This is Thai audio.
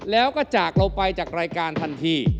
แล้วก็จากเราไปจากรายการทันที